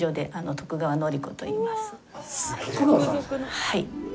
はい。